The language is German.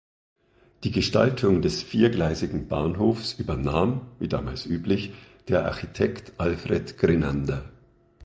Die Gestaltung des viergleisigen Bahnhofs übernahm, wie damals üblich, der Architekt Alfred Grenander.